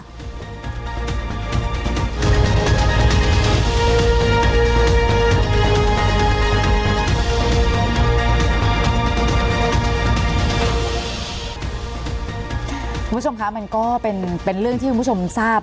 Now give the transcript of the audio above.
คุณผู้ชมคะมันก็เป็นเรื่องที่คุณผู้ชมทราบ